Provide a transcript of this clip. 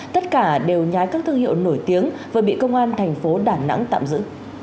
tất cả đều nhái các thương hiệu nổi tiếng vừa bị công an thành phố đà nẵng tạm giữ